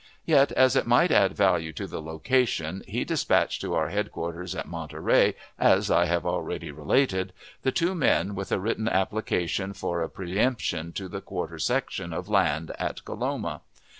Yet, as it might add value to the location, he dispatched to our headquarters at Monterey, as I have already related, the two men with a written application for a preemption to the quarter section of land at Coloma.